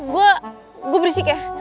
gue gue berisik ya